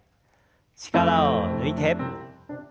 力を抜いて。